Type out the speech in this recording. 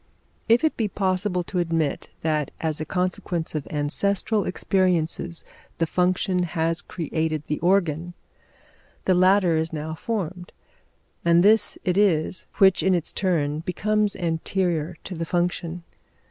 If it be possible to admit that as a consequence of ancestral experiences the function has created the organ, the latter is now formed, and this it is which in its turn becomes anterior to the function.